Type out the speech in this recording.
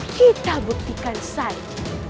kita buktikan saja